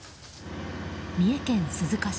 三重県鈴鹿市。